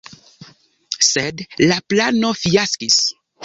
Sed la plano fiaskis.